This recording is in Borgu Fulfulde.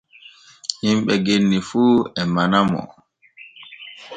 Himɓe genni fu e manamo.